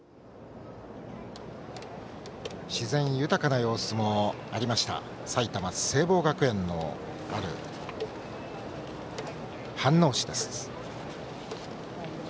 自然豊かな様子もありました埼玉・聖望学園のある飯能市です。